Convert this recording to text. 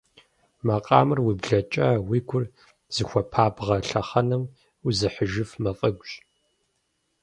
Макъамэр уи блэкӏа, уи гур зыхуэпабгъэ лъэхъэнэм узыхьыжыф мафӏэгущ.